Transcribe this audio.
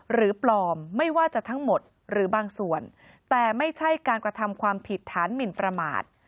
ปลอมไม่ว่าจะทั้งหมดหรือบางส่วนแต่ไม่ใช่การกระทำความผิดฐานหมินประมาท